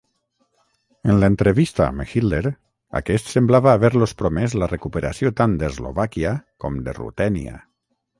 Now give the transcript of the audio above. En l'entrevista amb Hitler, aquest semblava haver-los promès la recuperació tant d'Eslovàquia com de Rutènia.